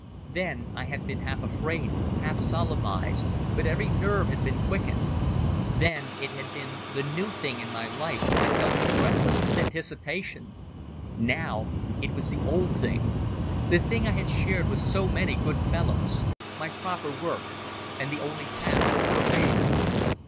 Then I had been half afraid, half solemnized, but every nerve had been quickened. Then it had been the new thing in my life that held me breathless with anticipation; now it was the old thing, the thing I had shared with so many good fellows, my proper work, and the only task for a man.